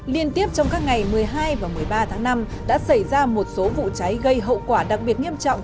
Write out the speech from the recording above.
liên tiếp trong các ngày một mươi hai và một mươi ba tháng năm đã xảy ra một số vụ cháy gây hậu quả đặc biệt nghiêm trọng